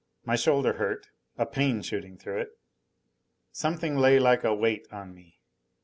My shoulder hurt a pain shooting through it. Something lay like a weight on me.